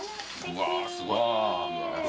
うわすごい。